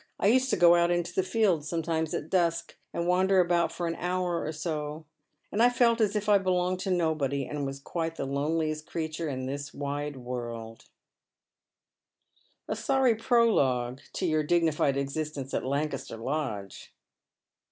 I used to go out into the fields sometimes at dusk, and wander about for an hour or so, and I felt as if I belonged to nobody, and WM qu'te the loneliest creature in this wide world/' It 18 not noxo as it 1ms been of yore. S27 "A sorry prologue to your dignified existence at Lancaster Lodge."